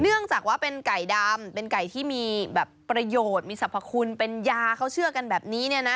เนื่องจากว่าเป็นไก่ดำเป็นไก่ที่มีแบบประโยชน์มีสรรพคุณเป็นยาเขาเชื่อกันแบบนี้เนี่ยนะ